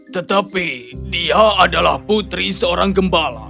tetapi dia adalah putri seorang gembala